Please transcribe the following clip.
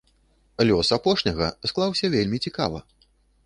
Лёс апошняга склаўся вельмі цікава.